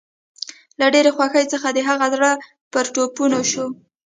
له ډېرې خوښۍ څخه د هغه زړه پر ټوپو شو